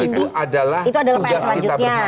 itu adalah tugas kita bersama